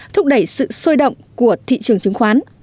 thúc đẩy sự sôi động của thị trường chứng khoán